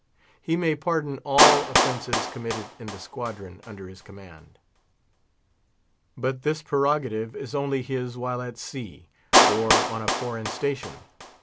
He may pardon all offences committed in the squadron under his command. But this prerogative is only his while at sea, or on a foreign station.